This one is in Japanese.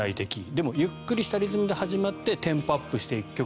でも、ゆっくりしたリズムで始まってテンポアップしていく曲